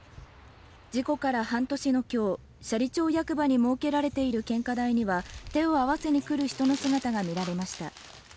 事故から半年の今日、斜里町役場に設けられている献花台には手を合わせに来る人の姿が見られました。